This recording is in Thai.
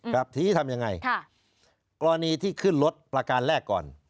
ครับทีนี้ทำยังไงกรณีที่ขึ้นรถประการแรกก่อน